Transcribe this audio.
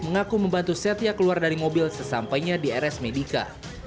mengaku membantu setia keluar dari mobil sesampainya di rs medica